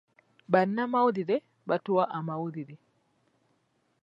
Bannamawulire batuwa amawulire.